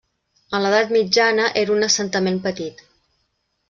En l'edat mitjana era un assentament petit.